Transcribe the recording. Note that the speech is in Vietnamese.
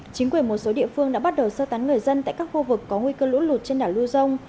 chính quyền một số địa phương đã bắt đầu sơ tán người dân tại các khu vực có nguy cơ lũ lụt trên đảo lưu dông